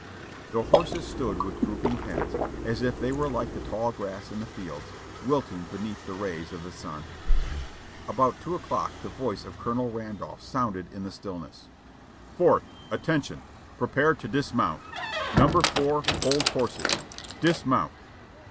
The horses stood with drooping heads, as if they were like the tall grass in the fields, wilting beneath the rays of the sun. About two o'clock the voice of Colonel Randolph sounded in the stillness: "Fourth, attention! Prepare to dismount! Number four, hold horses ! Dismount